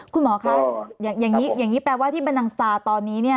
คุณหมอค่ะอย่างนี้แปลว่าที่บันดังสตราตอนนี้